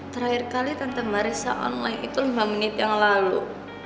terakhir kali tentang marisa online itu lima menit yang lalu